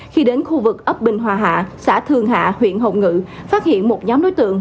khi đến khu vực ấp bình hòa hạ xã thường hạ huyện hồng ngự phát hiện một nhóm đối tượng